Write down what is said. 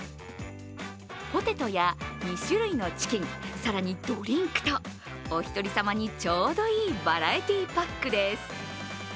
ポテトや２種類のチキン、更にドリンクとおひとり様にちょうどいいバラエティーパックです。